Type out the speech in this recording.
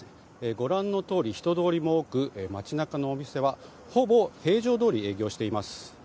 ご覧のとおり人通りも多く街中のお店はほぼ平常通り営業しています。